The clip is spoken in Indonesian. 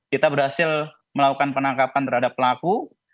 kita berhasil melakukan penangkapan terhadap pelaku